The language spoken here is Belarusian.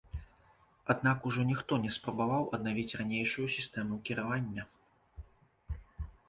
Аднак ужо ніхто не спрабаваў аднавіць ранейшую сістэму кіравання.